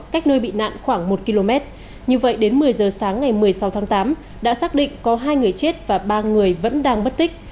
cách nơi bị nạn khoảng một km như vậy đến một mươi giờ sáng ngày một mươi sáu tháng tám đã xác định có hai người chết và ba người vẫn đang bất tích